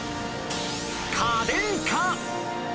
家電か？